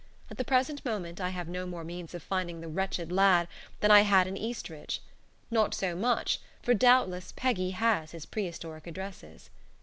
At the present moment I have no more means of finding the wetched lad than I had in Eastridge; not so much, for doubtless Peggy has his prehistoric addresses.